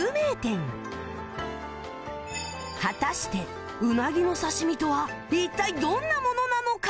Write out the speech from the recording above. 果たしてうなぎの刺身とは一体どんなものなのか？